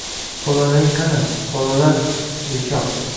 Bolalaring qani, bolalar… bekor